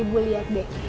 ibu ibu liat deh